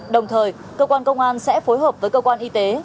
đồng thời cơ quan công an sẽ phối hợp với cơ quan y tế